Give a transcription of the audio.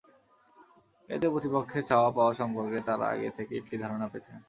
এতে প্রতিপক্ষের চাওয়া পাওয়া সম্পর্ক তাঁরা আগে থেকেই একটি ধারণা পেতেন।